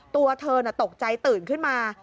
ตัวเธอตกใจตื่นขึ้นมา